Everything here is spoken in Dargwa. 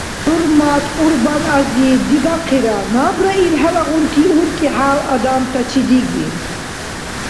ХӀурматла Кьурбан-ази, дигахъира набра ил хӀелагъунти уркӀи-хӀял, адамтачи диги.